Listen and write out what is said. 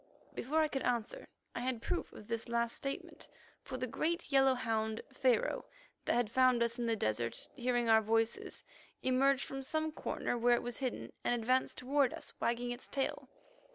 Before I could answer, I had proof of this last statement, for the great yellow hound, Pharaoh, that had found us in the desert, hearing our voices, emerged from some corner where it was hidden, and advanced toward us, wagging its tail.